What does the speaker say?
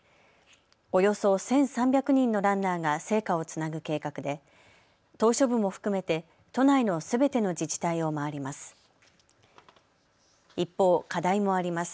およそ１３００人のランナーが聖火をつなぐ計画で島しょ部も含めて都内のすべての自治体を回ります。